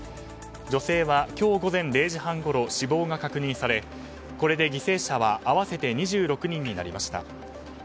女性は今日午前０時半ごろ死亡が確認され、これで犠牲者は合わせて２６人になりました。